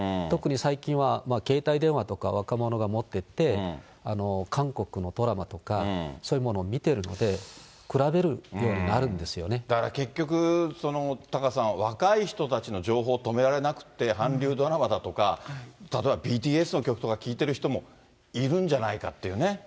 特に最近は携帯電話とか若者が持ってて、韓国のドラマとか、そういうものを見てるので、比べるよだから、結局、タカさん、若い人たちの情報を止められなくて、韓流ドラマだとか、例えばＢＴＳの曲とか聴いてる人もいるんじゃないかっていうね。